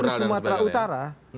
bahkan di sumatera utara